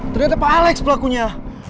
ternyata pak alex pelakunya